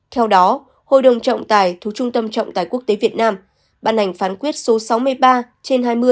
theo đó hội đồng trọng tài thu trung tâm trọng tài quốc tế việt nam bản ảnh phán quyết số sáu mươi ba trên hai mươi